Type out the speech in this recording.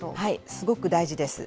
すごく大事です。